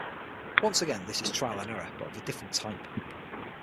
Once again this is "trial and error", but of a different type.